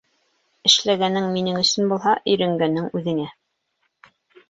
Эшләгәнең минең өсөн булһа, өйрәнгәнең үҙеңә.